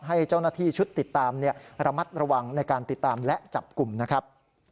ให้เจ้าหน้าที่ชุดติดตามระมัดระวังในการติดตามและจับกลุ่มนะครับ